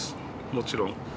もちろん。